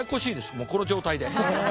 もうこの状態で。